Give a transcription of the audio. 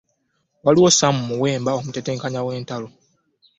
Waaliwo Samuel Muwemba omutetenkanya w’entalo.